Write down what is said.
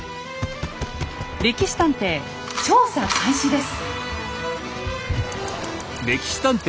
「歴史探偵」調査開始です。